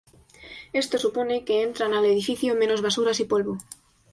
Esto supone que entran al edificio menos basuras y polvo.